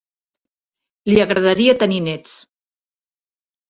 Li agradaria tenir nets.